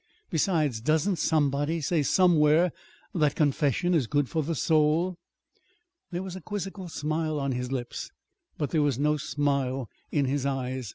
Besides, doesn't somebody say somewhere that confession is good for the soul?" There was a quizzical smile on his lips, but there was no smile in his eyes.